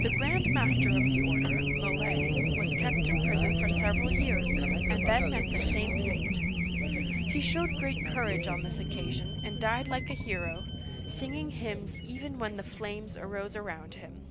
The Grand Master of the order, Molay', was kept in prison for several years, and then met the same fate. He showed great courage on this occasion, and died like a hero, singing hymns even when the flames arose around him.